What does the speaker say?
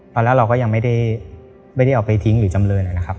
ตอนแรกเราก็ยังไม่ได้เอาไปทิ้งหรือจำเลยนะครับ